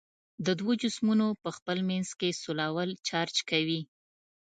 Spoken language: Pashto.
د دوو جسمونو په خپل منځ کې سولول چارج کوي.